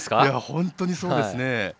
本当にそうですね。